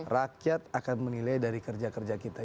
rakyat akan menilai dari kerja kerja kita